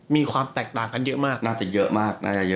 มีความแตกต่างกันเยอะมาก